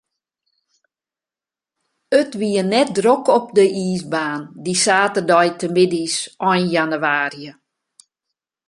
It wie net drok op de iisbaan, dy saterdeitemiddeis ein jannewaarje.